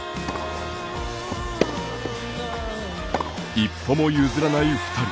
一歩も譲らない２人。